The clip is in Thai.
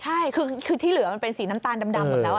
ใช่คือที่เหลือมันเป็นสีน้ำตาลดำหมดแล้ว